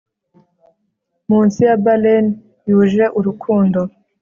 munsi ya baleine yuje urukundo